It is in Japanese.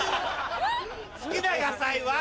好きな野菜は？